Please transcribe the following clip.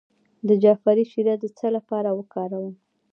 د جعفری شیره د څه لپاره وکاروم؟